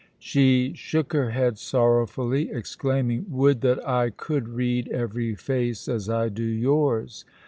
She shook her head sorrowfully, exclaiming: "Would that I could read every face as I do yours!